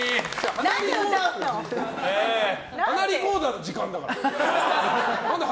鼻リコーダーの時間だから！